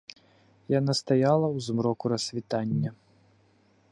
Яна стаяла ў змроку рассвітання.